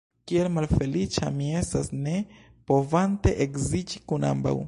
Kiel malfeliĉa mi estas, ne povante edziĝi kun ambaŭ.